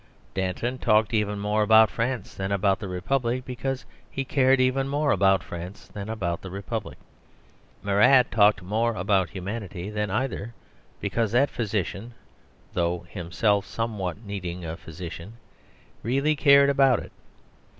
Danton talked even more about France than about the Republic because he cared even more about France than about the Republic. Marat talked more about Humanity than either, because that physician (though himself somewhat needing a physician) really cared about it.